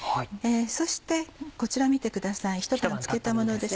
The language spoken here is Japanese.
そしてこちら見てください一晩つけたものです。